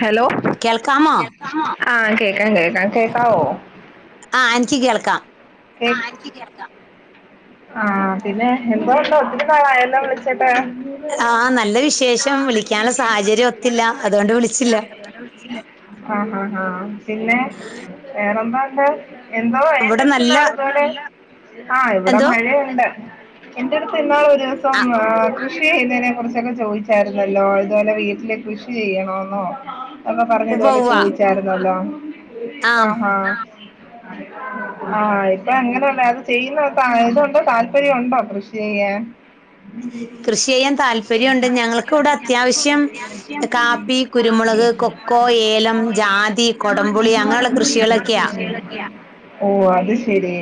Hello കേൾക്കാമോ ആഹ് കേക്കാ കേക്കാ കേക്കാവോ ആഹ് എനിക്ക് കേൾക്കാം ആഹ് എനിക്ക് കേൾക്കാം ആഹ് പിന്നെ എന്തോ ഉണ്ടോ ഒത്തിരി നാളായല്ലോ വിളിച്ചിട്ടെ ആഹ് നല്ല വിശേഷം വിളിക്കാനുള്ള സാഹചര്യം ഒത്തില്ല അതുകൊണ്ട് വിളിച്ചില്ല ഹാ ആഹ് ആഹ് ആഹ് പിന്നെ വേറെന്താണ്ട് എന്താ ഇവിടെ നല്ല ആഹ് ഇവിടെ എന്തോ മഴയുണ്ട് എൻ്റെ എടുത്ത് ഇന്നാൾ ഒരു ദിവസം ആ ആഹ് കൃഷി ചെയ്തതിനെ കുറിച്ചൊക്കെ ചോദിച്ചായിരുന്നല്ലോ ഇതുപോലെ വീട്ടിൽ കൃഷി ചെയ്യണോന്നോ അപ്പം പറഞ്ഞ് ഉവ്വ ഇതുപോലെ ഉവ്വ ചോദിച്ചായിരുന്നല്ലോ ആ ആഹ് ആഹ് ഇപ്പൊ അങ്ങനെയള്ളേ അത് ചെയ്യുന്നുണ്ടോ താല്പര്യം ഉണ്ടോ കൃഷി ചെയ്യാൻ കൃഷി ചെയ്യാൻ താല്പര്യംണ്ട് ഞങ്ങക്ക് ഇവിടെ അത്യാവശ്യം കാപ്പി കുരുമുളക്, കൊക്കോ, ഏലം, ജാതി, കൊടപുളി, അങ്ങനെയുള്ള കൃഷികളൊക്കെയാ ഓഹ് അത് ശരി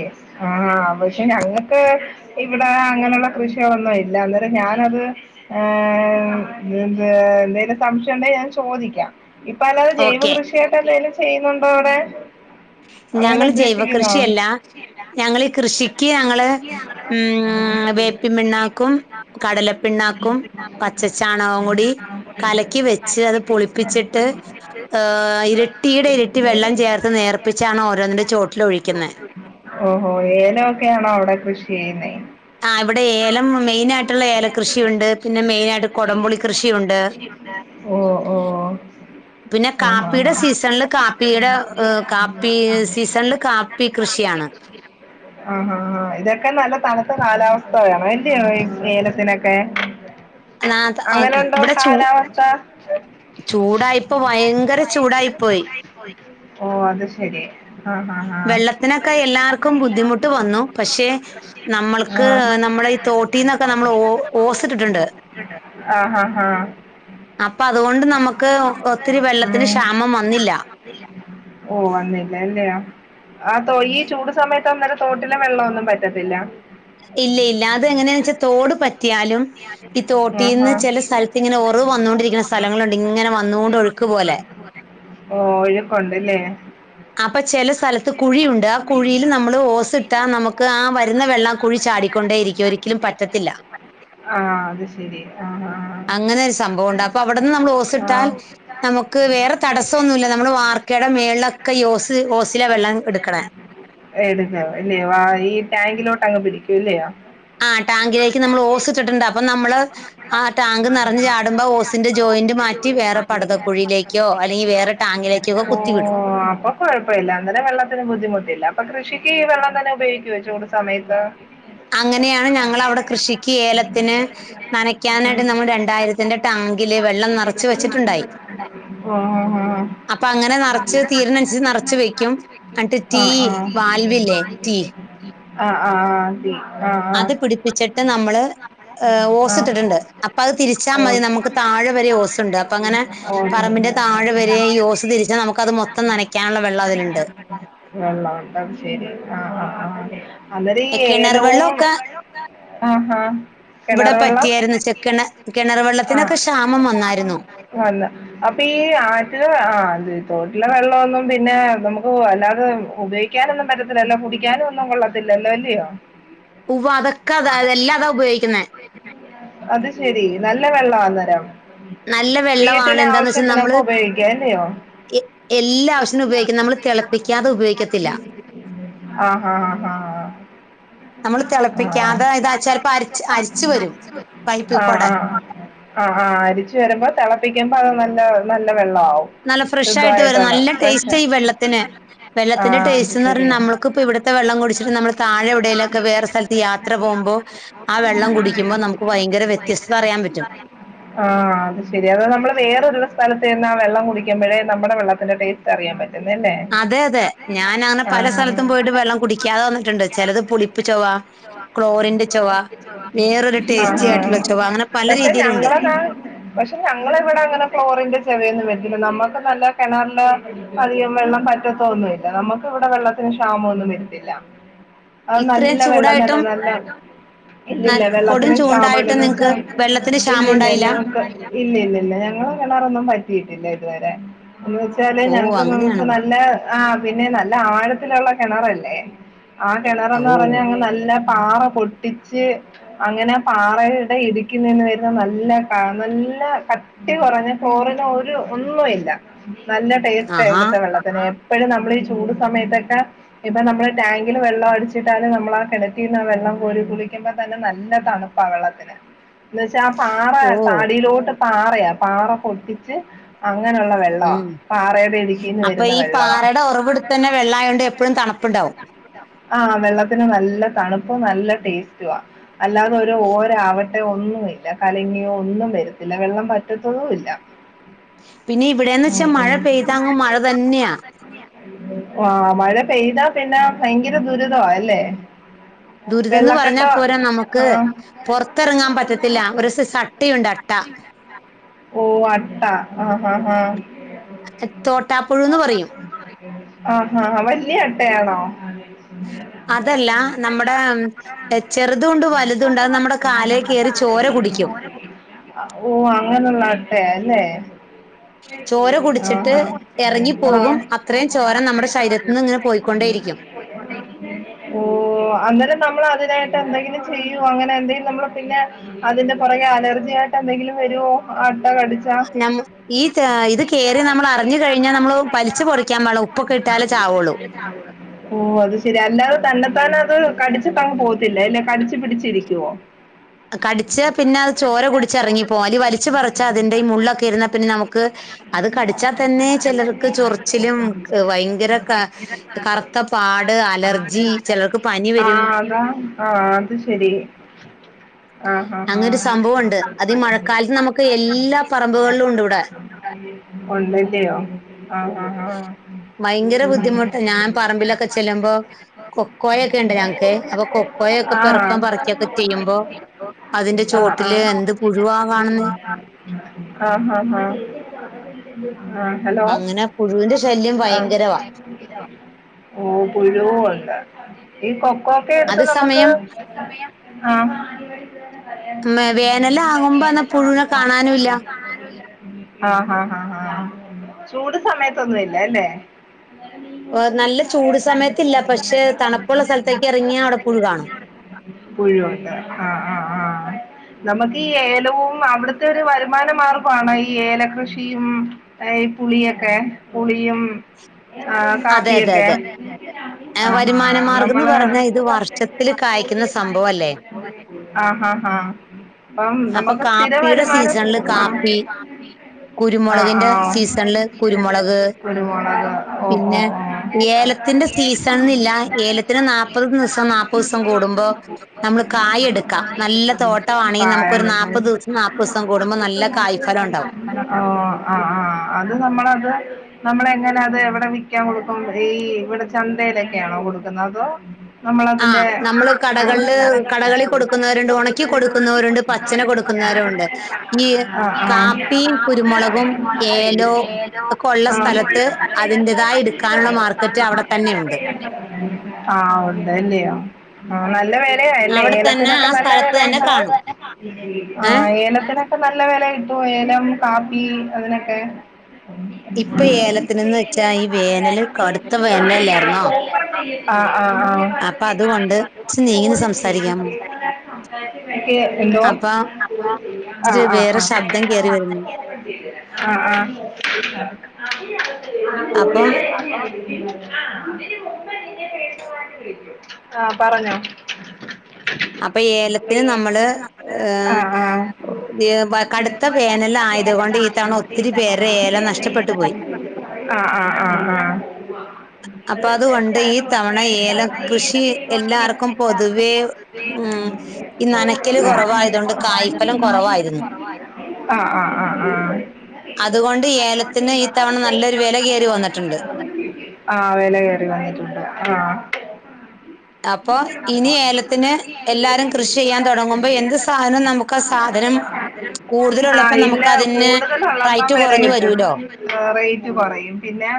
ആഹ് പക്ഷെ ഞങ്ങക്ക് ഇവിടെ അങ്ങനെയുള്ള കൃഷികളൊന്നും ഇല്ല അന്നേരം ഞാനത് ഏഹ് എ എന്തെലും സംശയം ഉണ്ടെങ്കിൽ ഞാൻ ചോദിക്കാം ഇപ്പൊ അല്ലാതെ ജൈവ ഓക്കെ കൃഷിയായിട്ട് എന്തെലും ചെയ്യുന്നുണ്ടോ അവിടെ ഞങ്ങൾ ജൈവ ഇണ്ടോ ഞങ്ങളീ കൃഷിക്ക് ഞങ്ങൾ ഉം വേപ്പിൻ പിണ്ണാക്കും കടലപ്പിണ്ണാക്കും പച്ച ചാണകവും കൂടി കലക്കി വെച്ച് അത് പുളിപ്പിച്ചിട്ട് ഇരട്ടിയുടെ ഇരട്ടി വെള്ളം ചേർത്ത് നേർപ്പിച്ചാണ് ഓരോന്നിന്റെ ചോട്ടില് ഒഴിക്കുന്നത് ഓഹോ ഏലൊക്കെയ ആണോ അവിടെ കൃഷി ചെയ്യുന്നെ ആഹ് ഇവിടെ ഏലം മെയിന് ആയിട്ടുള്ള ഏലം കൃഷിയുണ്ട് പിന്നെ മെയിന് ആയിട്ട് കുടംപുളി കൃഷിയുണ്ട് ഓ ഓ പിന്നെ ആഹ് ആഹ് കാപ്പിയുടെ ആഹ് സീസണിൽ കാപ്പിയുടെ കാപ്പി ആഹ് സീസണിൽ കാപ്പി [inaudible] [inaudible] ആഹ് ആഹ് ആഹ് ഇതൊക്കെ നല്ല തണുത്ത കാലാവസ്ഥ വേണം വല്യ ഏലത്തിനൊക്കെ [inaudible] അങ്ങനെ എന്തോ ഇവിടെ ചൂ കാലാവസ്ഥ ചൂടായിപ്പോ ഭയങ്കര ചൂടായിപ്പോയി. ഓഹ് അത് ശരി ആ ആഹ് വെള്ളത്തിനൊക്കെ എല്ലാവർക്കും ബുദ്ധിമുട്ട് വന്നു പക്ഷെ നമ്മൾക്ക് നമ്മൾ ഈ തോട്ടീന്നൊക്കെ നമ്മൾ ഓസിട്ടിട്ടുണ്ട് ആഹ് ആഹ് ഹാ അപ്പൊ അതുകൊണ്ട് നമ്മുക്ക് ഒത്തിരി ആഹ് വെള്ളത്തിന് ക്ഷാമം ആഹ് വന്നില്ല ഉം ഓ വന്നില്ലേ അല്ലേ അതോ ഈ ചൂട് സമയത്ത് ഇ അന്നേരം തോട്ടിലെ വെള്ളമൊന്നും വറ്റത്തില്ല ഇല്ല ഇല്ല അത് എങ്ങനെയന്ന് വെച്ചാൽ തോട് പറ്റിയാലും ഈ ആഹാ തോട്ടീൽന്ന് ചില സ്ഥലത്ത് ഇങ്ങനെ ഉറവ് വന്നോണ്ടിരിക്കുന്ന സ്ഥലങ്ങളുണ്ട് ഇങ്ങനെ വന്നുകൊണ്ട് ഒഴുക്ക് പോലെ ഓ ഒഴക്കുണ്ടല്ലേ അപ്പൊ ചെലസ് സ്ഥലത്ത് കുഴിയുണ്ട് ആ കുഴിയിൽ നമ്മൾ ഓസ് ഇട്ടാൽ നമുക്ക് ആ വരുന്ന വെള്ളം കുഴി ചാടിക്കൊണ്ടേ ഇരിക്കും ഒരിക്കലും പറ്റ റ്റത്തില്ല ആ അത് ശരി ആ ആ അങ്ങനെരു സംഭവണ്ട് അപ്പൊ അവിടെന്ന് നമ്മൾ ആ ഓസ്ട്ടാൽ നമുക്ക് വേറെ തടസ്സംന്നുല്ല നമ്മള് വാർക്കയുടെ മേളൊക്കെ ഓസ് ഓസില വെള്ളം എടുക്കണേ എടുക്കോ ഇല്ലയോ ഈ ടാങ്കിലോട്ട് അങ്ങ് പിടിക്കൂ ഇല്ലയോ ആ ആഹ് ടാങ്കിലേക്ക് നമ്മൾ ഓസ് ടാങ്കിലേക്ക് ഇട്ടിട്ടുണ്ട് അപ്പൊ ഓസിട്ട് നമ്മള് അപ്പം നമ്മള് ആ ടാങ്ക് ആ നിറഞ്ഞു ടാങ്ക് ചാടുമ്പോ നറഞ്ഞ് ഓസിന്റെ [unintelligible] ജോയിന്റ് ഓസ് മാറ്റി വേറെ വേറെ പടതക്കുഴിയിലേക്കോ അല്ലെങ്കിൽ ടാങ്കിലേക്കോ വേറെ ടാങ്കിലേക്കോ ഒക്കെ കുത്തിവിടും അപ്പൊ കുഴപ്പമില്ല അന്നനെ വെള്ളത്തിന് ബുദ്ധിമുട്ടില്ല അപ്പം കൃഷിക്ക് ഈ വെള്ളം തന്നെ ഉപയോഗിക്കുമോ വച്ച് ചൂട് സമയത്ത് അങ്ങനെയാണ് ഞങ്ങളവിടെ കൃഷിക്ക് ഏലത്തിന് നനക്കാനി നമ്മൾ രണ്ടായിരത് ത്തിന്റെ ടാങ്കില് വെള്ളം നറച്ച് വെച്ചിട്ടുണ്ടായി. ഓ അപ്പൊ അങ്ങനെ ഓ, നറച്ച് തീരനനുസരിച്ച് ഓ. നറച്ച് വെക്കും. എന്നിട്ട് ടീ വാൽവില്ലേ? ടീ... ആഹ ആഹ് ആ ടീ അത് പിടിപ്പിച്ചിട്ട് നമ്മള്... ഓസ് ആഹ് ഇട്ടിട്ണ്ട്. അപ്പ അത് തിരിച്ചാൽ മതി ഓഹ് നമുക്ക് താഴെ വരെ ഓസുണ്ട് അപ്പ അങ്ങനെ... ഓഹ് പറമ്പിന്റെ താഴെ വരെ ഓസ് തിരിച്ചാൽ നമുക്ക് അത് മൊത്തം നനയ്ക്കാനുള്ള വെള്ളം അതിലുണ്ട്. വെള്ളം ണ്ട ശരി ആഹ ആ ആഹ് അല്ലടീ എ, കിണർ ഏലോവ് വെള്ളമൊക്കെ ഹഹ. ഇവിടെ കിണറ് വെള്ളം, പറ്റിയായിരുന്നു ചെക്കിണ കിണർ ആഹ. വെള്ളത്തിനൊക്കെ ക്ഷാമം വന്നായിരുന്നു അല്ല, അപ്പൊ ഈ ആറ്റില ആ അത് തോട്ടിലെ വെള്ളമൊന്നും പിന്നെ... നമുക്ക് അല്ലാതെ ഉപയോഗിക്കാനൊന്നും പറ്റത്തില്ലല്ലോ? കുടിക്കാനൊന്നും കൊള്ളത്തില്ലല്ലോ അല്ലയോ? ഉൂവ, അതൊക്കെ അതാ എല്ലാ അതാ ഉപയോഗിക്കുന്ന്. അത് ശരി, നല്ല വെള്ളം അന്നേരം നല്ല വെള്ളമാണ് വീട്ടിലെ എന്താന്ന് വെച്ചാൽ ആവശ്യത്തിനൊക്കെ നമ്മള് ഉപയോഗിക്കല്ലയോ? ഇത് നമ്മള് തിളപ്പിക്കാതെ ഉപയോഗിക്കത്തില്ല. ആഹ ഹ ഹ ആഹ് ആ നമ്മൾ തിളപ്പിക്കാതെ ഇതാ ചിലപ്പോ അരിച്ച് അരിച്ചു വരും പൈപ്പിൽ അ കൂടെ ആഹ് അ. ആ ആഹ്, അരിച്ചു വരുമ്പോ തിളപ്പിക്ക്പോ അത് നല്ല നല്ല വെള്ളാവും. നല്ല ഫ്രഷായിട്ട് വരും. നല്ല ടേസ്റ്റ് വെള്ളത്തിന്, വെള്ളത്തിന്റെ ആഹ് അത് ടേസ്റ്റ് എന്ന് പറഞ്ഞ ശരി നമ്മക്കിപ്പ ഇവിടുത്തെ വെള്ളം കുടിച്ചിട്ട് നമ്മള് താഴെവിടേലൊക്കെ വേറെ സ്ഥല ത്ത് യാത്ര പോകുമ്പോ, ആ വെള്ളം കുടിക്കുമ്പോ നമുക്ക് ഭയങ്കര വ്യത്യസ്ത അറിയാൻ പറ്റും. ആഹ അത് ശരി. അത് നമ്മള് വേറെരു സ്ഥലത്ത് ചെന്നാ ആ വെള്ളം കുടിക്കുമ്പോഴേ നമ്മുടെ വെള്ളത്തിന്റെ ടേസ്റ്റ് അറിയാൻ പറ്റു. അതെ അതെ, ഞാൻ അങ്ങനെ പല സ്ഥലത്തും പോയിട്ട് വെള്ളം കുടിക്കാതെ വന്നിട്ടുണ്ട് ചിലത് പുളിപ്പ്ച്ചൊവാ. ക്ലോറിന്റെ ചൊവ, വേറൊരു ടേസ്റ്റി ആഹാ ആയിട്ടുള്ള ചൊവ അങ്ങനെ പല പക്ഷെ രീതിയിലുണ്ട്. ഞങ്ങളതാ പക്ഷെ ഞങ്ങള ഇവിടെ അങ്ങനെ ഫ്ലോറിന്റെ ചെവയൊന്നും വത്തില്ല. നമ്മുക്ക് നല്ല കിണറില്... അധികം വെള്ളം പറ്റത്തോ ഒന്നുല്ല. നമുക്ക് അവിടെ വെള്ളത്തിന് ക്ഷാമൊന്നും വരുത്തില്ല. അത് ഇത്രയും നല്ല വെള്ളം തന്നെ, ചൂടായിട്ടും നല്ല... ഇല്ലല്ല ന- കൊടും വെള്ളത്തിനും ക്ഷാമ എന്ന് ചൂണ്ടായിട്ടും വെച്ച... നിങ്ങക്ക് വെള്ളത്തിന് ഇല്ല ക്ഷാമം ഇല്ല ഉണ്ടായില്ല നമുക്ക്... ഇല്ല ഇല്ലല്ല ഞങ്ങള് കിണറൊന്നും വറ്റിയിട്ടില്ല ഇതുവരെ. എന്ന് വെച്ചാല് ഓ ഞങ്ങക്കന്ന് വെച്ചാ അങ്ങനെയാണോ നല് പിന്നെ ആ പിന്നെ നല്ല ആഴത്തിലുള്ള കിണറല്ലേ? ആ കിണറന്ന് ഓ പറഞ്ഞ അങ്ങ് നല്ല പാറ പൊട്ടിച്ച്... അങ്ങനെ പാറയുടെ ഇടുക്കിൽ നിന്ന് വരുന്ന നല്ല ക നല്ല... കട്ടി കുറഞ്ഞ ഫോറിന് ഒരു ഒന്നും ഇല്ല. നല്ല ടേസ്റ്റ ആഹാ ഇവിടുത്തെ വെള്ളം. പിന്നെ എപ്പോഴും നമ്മൾ ഈ ചൂട് സമയത്തൊക്കെ... ഇപ്പൊ നമ്മള് ടാങ്കില് വെള്ളം അടിച്ചിട്ടാലും നമ്മൾ ആ കിണറ്റീന്ന് വെള്ളം കോരി കുളികുമ്പം.. ന്നെ നല്ലതണുപ്പ വള്ള എന്നു വെച്ചാ ആ പാറ ഓ താടിയിലോട്ട് പാറയാ പാറ പൊട്ടിച്ച്... അങ്ങനെയുള്ള വെള്ളൊ. ഉം പാറ ഇടുക്കിന്ന് അപ്പൊ വരുന്ന ഈ വെള്ളാണ്. പാറയുടെ ഉറവിടത്ത് തന്നെ വെള്ളമായോണ്ട് എപ്പോഴും തണുപ്പുണ്ടാവും ആഹ്, വെള്ളത്തിന് നല്ല തണുപ്പും നല്ല ടേസ്റ്റവാ. അല്ലാതെ ഒരു ഓരആവട്ടെയോ ഒന്നു ഇല്ല, കലങ്ങി ഒന്നും വരത്തില്ല. വെള്ളം വറ്റത്തു ഇല്ല. പിന്നെ ഇവിടെന്ന് വെച്ചാ മഴ പെയ് മഴ പെയ്താപ്പ മഴ ആ, മഴ പെയ്താ പിന്നെ ഭയങ്കര ദുരിതോ അല്ലേ? ദുരിതം എന്ന് പറഞ്ഞാൽ വെള്ളക്കെട്ടോ? പോരാ നമുക്ക് ആഹ... പുറത്തിറങ്ങാൻ പറ്റത്തില്ല ഒരു സ- സട്ടയുണ്ട് അട്ട ഓ, അട്ട, ആഹ് ആഹ ആഹ. തോട്ടാപ്പുഴു എന്ന് പറയും ആഹഹ, വലിയ അട്ടയാണോ? [unintelligible] അതല്ല നമ്മുടെ ചെറുതുണ്ട് വലുതുണ്ട് അത് നമ്മുടെ കാലേ കയറി ചോര കുടിക്കും ഓഹ് അങ്ങനെയുള്ള അട്ടയാ അല്ലേ ചോര ആഹ് കുടിച്ചിട്ട് ഇറങ്ങിപ്പോകും ആഹ് അത്രയും ചോര നമ്മുടെ ശരീരത്തിന്ന് ഇങ്ങനെ പോയിക്കൊണ്ടേയിരിക്കും ഓഹ് അന്നേരം നമ്മൾ അതിനായിട്ട് എന്തെങ്കിലും ചെയ്യോ അങ്ങനെ എന്തെങ്കിലും നമ്മള് പിന്നെ അതിന്റെ പുറകെ അലർജി ആയിട്ട് എന്തെങ്കിലും വരുവോ അട്ട കടിച്ചാ നമ്മ ഈ ഇത് കയറി നമ്മൾ അറിഞ്ഞു കഴിഞ്ഞാൽ നമ്മൾ വലിച്ച് പൊളിക്കാൻ പാടില്ല ഉപ്പൊക്കെ ഇട്ടാലേ ചാവുള്ളൂ [unintelligible] ഓഹ് അത് ശരി അല്ലാതെ തന്നെത്താന അത് കടിച്ചിട്ടങ് പോകത്തില്ല അല്ലെ കടിച്ചു പിടിച്ചിരിക്കുവോ കടിച്ച പിന്നെ അത് ചോര കുടിച്ച് ഇറങ്ങിപ്പോവും അല്ല വലിച്ച് പറിച്ചാ അതിന്റെ ഈ മുള്ളൊക്കെ ഇരുന്നാ പിന്നെ നമുക്ക് അത് പിന്നെ കടിച്ചാൽ തന്നെ തന്നെ ചിലർക്ക് ചിലപ്പോൾ ചൊറിച്ചിലും കുറച്ച് ഭയങ്കര ക കറു നാല് ത്ത പാട് നാട് അലർജി അലർജി ചിലർക്ക് പനി ആ വരും അതാ ആഹ് അത് ശരി ആഹ് ഹാ അങ്ങനെ ഒരു സംഭവം ഹാ ഉണ്ട് അത് ഈ മഴക്കാലത്ത് നമുക്ക് എല്ലാ പറമ്പുകളിലും ഉണ്ട് ഇവിടെ ഉള്ളുല്ലെയോ ആഹ് ആഹ് ഭയങ്കര ബുദ്ധിമുട്ട് ഞാൻ പറമ്പിലൊക്കെ ചെല്ലുമ്പോ കൊക്കോയൊക്കെ ഉണ്ട് ഞങ്ങക്ക് അപ്പൊ കൊ ക്കൊയൊക്കെ പേറക്കേം എന്നൊക്കെ പറഞ്ഞ് പറിക്കെക്കെ ഹോസ്പിറ്റലിൽ ചെയ്യുമ്പോ കിട്ടിയപ്പോൾ അതിന്റെ ആ ചുവട്ടില് എന്ത് പുഴുവാ കാണുന്നെ ആഹ് ഹാ ഹാ ആഹ് ഹലോ അങ്ങനെ പുഴുവിന്റെ ശല്യം ആഹ് ഭയങ്കരവാ ഓഹ് പുഴുവു ഉണ്ട് ഈ കൊക്കോക്കെ എടുത്ത് നമുക്ക് അതേസമയം ആഹ് ആഹ് വേനലാകുമ്പോ അന്ന വേനലു പുഴുവിനെ ആവുമ്പോ അത് കാണാനുമില്ല കുടുതലും കാണാനുമില്ല ആഹ് ഹാ ഹാ ഹാ ചൂട് സമയത്തൊന്നുല്ല അല്ലേ ഏഹ് നല്ല ചൂട് നല്ല സമയത്തില്ല ചൂട് സയത്തില്ല തണുപ്പുള്ള പക്ഷെ സ്ഥലത്തേക്ക് തണുപ്പുള ഇറങ്ങിയാൽ അവിടെ പുഴു കാണും സമയത്തെ [unintelligible] പുഴു വുണ്ട് ആഹ് ആഹ് ആഹ് നമുക്ക് ഈ ഏലവും അവിടുത്തെ ഒരു വരുമാന മാർഗമാണോ ഈ ഏലം കൃഷിയും ഈ പുളിയൊക്കെ പുളിയും ആഹ് അതെ അതെ കാപ്പിയൊക്കെ അതെ ഏഹ് ആഹ് വരുമാന ആഹ് മാർഗം എന്ന് നമ്മള് പറഞ്ഞാൽ ഇത് വർഷത്തിൽ കായ്ക്കുന്ന സംഭവല്ലേ ആഹ് അഹ് ആഹ് അപ്പം അപ്പൊ നമുക്ക് സ്ഥിര കാപ്പിയുടെ വരുമാനം സീസണിൽ കാപ്പി ആഹ് ആഹ് കുരുമുളകിന്റെ സീസണിൽ ആഹ് കുരുമുളക് കുരുമുളക് പിന്നെ ഓഹ് ഏലത്തിന്റെ സീസൺ എന്നില്ല ഓഹ് ഏലത്തിന് നാൽപ്പത് ഓഹ് ദിവസം നാൽപ്പത് ദിവസം കൂടുമ്പോ [unintelligible] നമ്മൾ കായ് എടുക്കാം നല്ല തോട്ടമാണെങ്കി കായ നമ്മുക്കൊരു നാല്പ്പത് ദിവസം എടുക്കാം. നാല്പ്പത് ദിവ സം കൂടുമ്പോ നല്ല കായ്ഫലം ഉണ്ടാവും ഓഹ് ആഹ് ആഹ് അത് നമ്മളത് നമ്മൾ എങ്ങനെ അത് എവിടെ വിൽക്കാൻ കൊടുക്കും ഈ ഇവിടെ ചന്തയിലൊക്കെയാണോ കൊടുക്കുന്നത് അതോ ആ നമ്മളതിന്റെ നമ്മള് കടകളില് കടകളിൽ കൊടുക്കുന്നവരുണ്ട് ഉണക്കി കൊടുക്കുന്നവരുണ്ട് [unintelligible] പച്ചനെ കൊടുക്കുന്നവരുണ്ട്. ഈ ആഹ് കാപ്പിയും കുരുമുളകും ആഹ് ഏലോ ഒക്കെ ഉള്ള സ്ഥലത്ത് ആഹ് [unintelligible] തന്നെയുണ്ട് ആഹ് ഉണ്ട് അല്ലയോ ആ ആഹ് നല്ല വിലയല്ലേ അവിടെ തന്നെ ആ ഏലത്തിനൊക്കെ നല്ല സ്ഥലത്ത് വില തന്നെ കിട്ടുവോ കാണും. ഏഹ് ആഹ് ഏലത്തിനൊ ക്കെ നല്ല വില കിട്ടുവോ ഏലം കാപ്പി അതിനൊക്കെ ഇപ്പൊ ഏലത്തിനെന്ന് വെച്ചാ ഈ വേനല് കടുത്ത വേനലായിരുന്നോ [unintelligible] ആഹ് ആഹ് ആഹ് അപ്പൊ അതുകൊണ്ട് ഇച്ചിരി നീങ്ങി സംസാരിക്കാമോ ക്കെ എന്തോ അപ്പൊ ഇച്ചിരി ആഹ് ആഹ് വേറെ ശബ്ദം ആഹ് കേറി വരുന്നു ആഹ് ആഹ് അപ്പം [unintelligible] ആഹ് പറഞ്ഞോ [inaudible] അപ്പൊ ഏലത്തിന് നമ്മള് ആഹ് ആഹ് കടുത്ത വേന ഏലം [unintelligible] നഷ്ടപ്പെട്ടു പോയി ആഹ് അപ്പൊ അതുകൊണ്ട് ഈ തവണ ആഹ് ഏലം കൃഷി എല്ലാവർക്കും പൊതുവെ ആഹ് ഉം ഈ നനയ്ക്കല് [unintelligible] കുറവായതുകൊണ്ട് കായ്ഫലം കുറവായിരുന്നു [unintelligible] ആഹ് ആഹ് ആഹ് ആഹ് അതുകൊണ്ട് ഏലത്തിന് ഈ തവണ നല്ലൊരു വില കയറി വന്നിട്ടുണ്ട് [unintelligible] ആഹ് വില കയറി വന്നിട്ടുണ്ട് ആഹ് അപ്പൊ ഇനി ഏലത്തിന് എല്ലാരും കൃഷി ചെയ്യാൻ തുടങ്ങുമ്പോ എന്ത് സാധനവും നമുക്ക് ആഹ് സാധനം കൂടു ആഹ് ഇല്ല കൂടുതൽ ഒള്ളപ്പാ വില കുറഞ്ഞു കിട്ടും വരൂലോ റേറ്റ് കുറയും പിന്നെ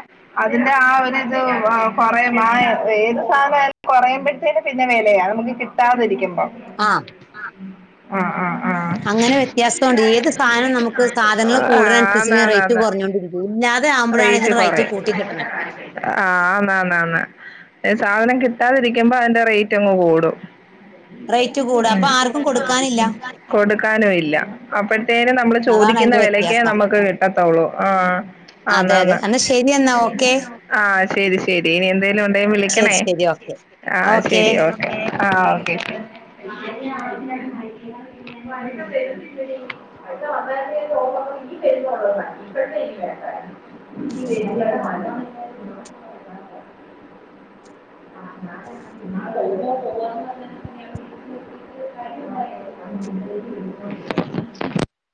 അതിന്റെ ആഹ് ഒരുരിത് കൊറയ ആഹ് ഏത് സാധനമായാലും കുറയൻ പറ്റ പിന്നെ വിലയാണ് നമുക്ക് കിട്ടാതിരിക്കുമ്പോ ആഹ് ഉം ആഹ് ആഹ് ആഹ് അങ്ങനെ വ്യത്യാസം ഉണ്ട് ഏത് സധനം നമുക്ക് സാധനങ്ങള് കൂടുതല് ആഹ് അനുസരിച്ച് റേറ്റ് ആന്നാന്നാന്ന് കുറഞ്ഞോണ്ടിരിക്ക ഇല്ലാതെ ആവുമ്പോഴാണ് ഇതിന് റേറ്റ് കൂട്ടുന്നത് ആഹ് അന്ന് അന്ന് ആന്ന് ഏഹ് സാധനം കിട്ടാതിരിക്കുമ്പോ അതിന്റെ റേറ്റ് അങ്ങ് കൂടും റേറ്റ് കൂടുക ഉം അപ്പൊ ആർക്കും കൊടുക്കാനില്ല കൊടുക്കാനും ഇല്ല അപ്പം തേങ്ങ നമ്മള് അതാണ് ചോദിക്കുന്ന അതിന്റെ വിലക്കേ വ്യത്യാസം നമുക്ക് കിട്ടത്തുള്ളൂ ആഹ് ആന്ന് ആന്ന് എന്നാൽ ശരിയെന്നാ ഓക്കെ ആഹ് ശരി ശരി ഇനി എന്തേലും ഒണ്ടങ്കി ശരി വിളിക്കണേ ശരി ഓക്കെ ആഹ് ഓക്കെ ശരി ഓ ഏഹ് ആഹ് ഓക്കെ [unintelligible] ഇൻക്കി [unintelligible] [unintelligible]